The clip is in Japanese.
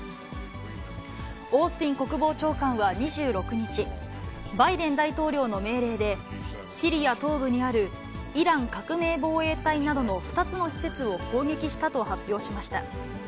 オースティン国防長官は２６日、バイデン大統領の命令で、シリア東部にあるイラン革命防衛隊などの２つの施設を攻撃したと発表しました。